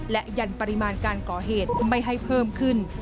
และยันปริมาณการก่อเหตุไม่ให้เพิ่มขึ้น